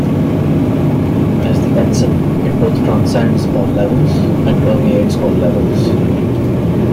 As the Etzem, it both transcends all levels, and permeates all levels.